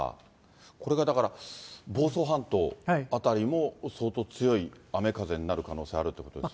これがだから、房総半島辺りも、相当強い雨風になる可能性あるということですね。